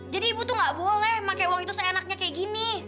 jadi ibu tuh gak boleh pakai uang itu seenaknya kayak gini